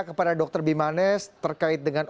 kepada dr bimanes terkait dengan